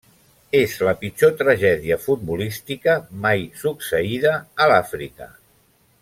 És la pitjor tragèdia futbolística mai succeïda a l'Àfrica.